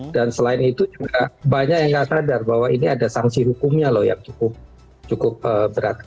dan selain itu juga banyak yang gak sadar bahwa ini ada sanksi hukumnya loh yang cukup berat